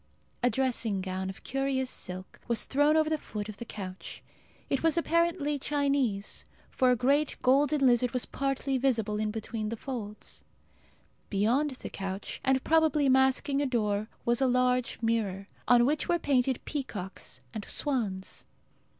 A dressing gown, of curious silk, was thrown over the foot of the couch. It was apparently Chinese; for a great golden lizard was partly visible in between the folds. Beyond the couch, and probably masking a door, was a large mirror, on which were painted peacocks and swans.